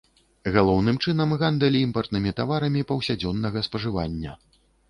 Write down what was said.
Галоўным чынам гандаль імпартнымі таварамі паўсядзённага спажывання.